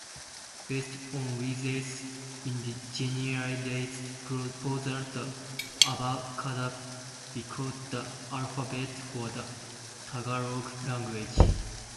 Based on Rizal's indigenization proposal, the Abakada became the alphabet for the Tagalog language.